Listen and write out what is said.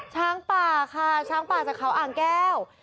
ช้างป่าค่ะช้างป่าจากเขาอ่างแก้ว